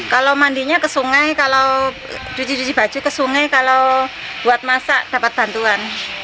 kalau mandinya ke sungai kalau cuci cuci baju ke sungai kalau buat masak dapat bantuan